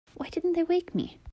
Why didn't they wake me?